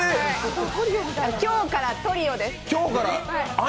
今日からトリオです。